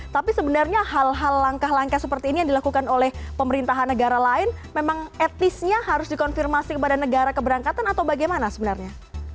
tapi sebenarnya hal hal langkah langkah seperti ini yang dilakukan oleh pemerintahan negara lain memang etisnya harus dikonfirmasi kepada negara keberangkatan atau bagaimana sebenarnya